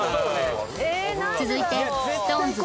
続いてＳｉｘＴＯＮＥＳ